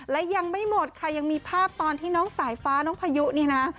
และยังไม่หมดค่ะยังมีภาพตอนที่น้องสายฟ้าน้องพายุเนี่ยนะ